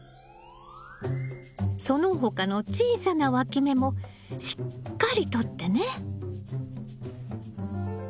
その他の小さなわき芽もしっかりとってね。